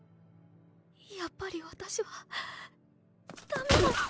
やっぱりわたしはダメだ